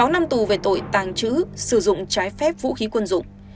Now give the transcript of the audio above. sáu năm tù về tội tàng trữ sử dụng trái phép vũ khí quân dụng